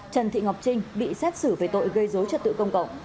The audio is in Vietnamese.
trần thị ngọc trinh bị xét xử về tội gây dối trật tự công cộng